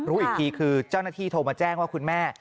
รู้อีกทีคือเจ้าหน้าที่โทรมาแจ้งว่าคุณแม่